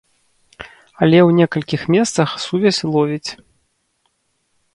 Але ў некалькіх месцах сувязь ловіць.